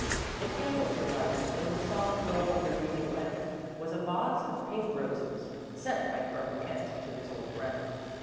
The candles were lighted, and in the soft glow of the reading lamp was a vase of pink roses, sent by Colonel Kent to his old friend.